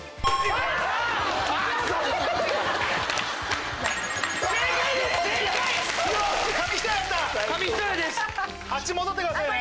あっち戻ってくださいね。